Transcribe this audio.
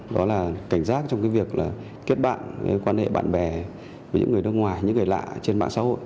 đó là cảnh giác trong cái việc là kết bạn quan hệ bạn bè với những người nước ngoài những người lạ trên mạng xã hội